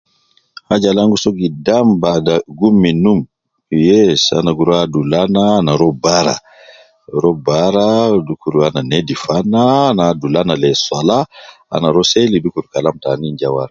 Aja al an gi soo gidam bada gum min num, yes, ana gi rua adul ana, ana rua bara, rua bara dukur ana nedif ana, ana adul ana le swala, ana rua seli dukur kalam tanin ja